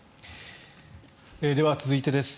では、続いてです。